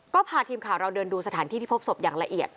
ก็พาทีมข่าวเราเดินดูสถานที่ที่พบศพอย่างละเอียด